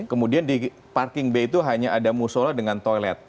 kemudian di parking bay itu hanya ada musola dengan toilet